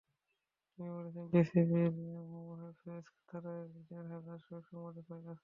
তিনি বলেছেন, বিবিসির মহাফেজখানায় প্রায় দেড় হাজার শোক সংবাদের ফাইল আছে।